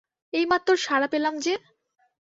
এই মাত্তর সাড়া পেলাম যে?